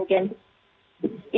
kalau undangan sudah disebar